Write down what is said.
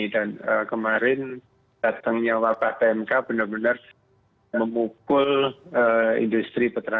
dan kemarin datangnya wabah pmk benar benar memukul industri peternaknya